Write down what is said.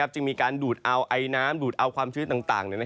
จึงมีการดูดเอาไอน้ำดูดเอาความชื้นต่าง